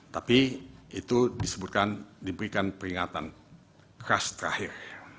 tapi itu disebutkan diberikan peringatan khas terakhir